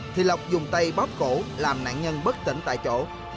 thì lộc dùng tay bóp cổ làm nạn nhân bất tỉnh tại chỗ